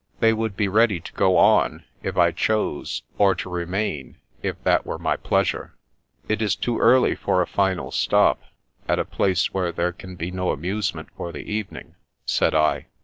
They would be ready to go on, if I chose, or to remain, if that were my pleasure. *' It is too early for a final stop, at a place where there can be no amusement for the evening,'" said I.